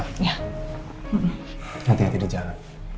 hati hati di jalan